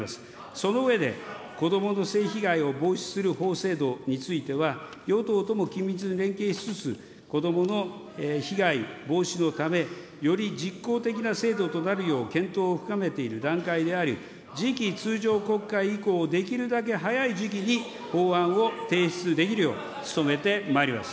その上で、子どもの性被害を防止する法制度については、与党とも緊密に連携しつつ、子どもの被害防止のため、より実効的な制度となるよう検討を深めている段階であり、次期通常国会以降、できるだけ早い時期に法案を提出できるよう努めてまいります。